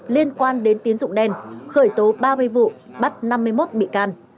liên quan đến tín dụng đen khởi tố ba mươi vụ bắt năm mươi một bị can